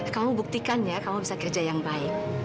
kamu buktikan ya kamu bisa kerja yang baik